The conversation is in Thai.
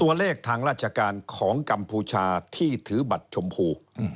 ตัวเลขทางราชการของกัมพูชาที่ถือบัตรชมพู